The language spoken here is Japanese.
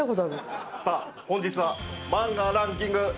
さあ、本日はマンガランキング